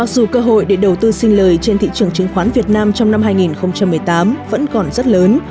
dù cơ hội để đầu tư xin lời trên thị trường chứng khoán việt nam trong năm hai nghìn một mươi tám vẫn còn rất lớn